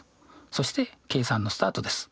そして計算のスタートです。